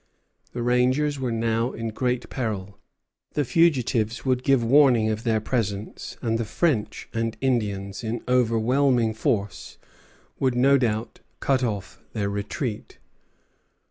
The rangers were now in great peril. The fugitives would give warning of their presence, and the French and Indians, in overwhelming force, would no doubt cut off their retreat.